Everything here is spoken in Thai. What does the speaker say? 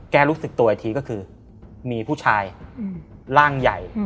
รู้สึกตัวอีกทีก็คือมีผู้ชายร่างใหญ่